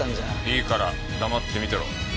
いいから黙って見てろ。